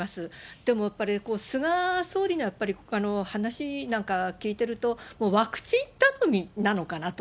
でも、やっぱり菅総理の話なんか聞いてると、ワクチン頼みなのかなと、